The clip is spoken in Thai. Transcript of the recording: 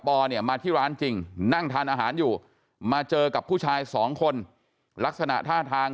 เนี่ยมาที่ร้านจริงนั่งทานอาหารอยู่มาเจอกับผู้ชายสองคนลักษณะท่าทาง